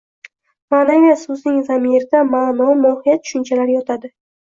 Ma’naviyat so‘zining zamirida ma’no, mohiyat tushunchalari yotadi.